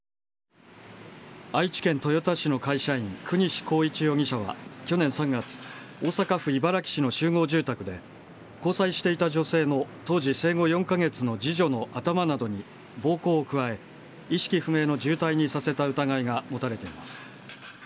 愛知県豊田市の会社員、國司浩一容疑者は去年３月、大阪府茨木市の集合住宅で、交際していた女性の当時生後４か月の次女の頭などに暴行を加え、意識不明の重体にさせた疑いが持たれています。